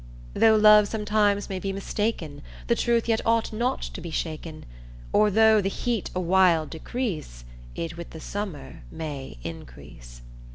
Though love sometimes may be mistaken The truth yet ought not to be shaken, Or though the heat awhile decrease It with the Summer may increase.